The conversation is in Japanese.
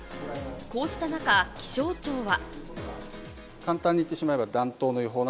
こうした中、気象庁は。